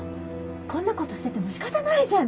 こんな事してても仕方ないじゃん。